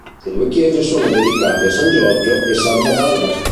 Le due chiese sono dedicate a San Giorgio e Santa Barbara.